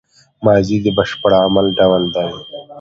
ماضي د بشپړ عمل ډول دئ.